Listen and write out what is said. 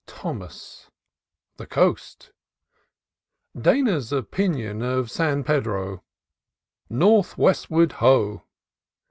Thomas — The coast — Dana's opinion of San Pedro — North westward Ho!